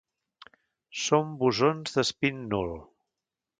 Són bosons d'espín nul.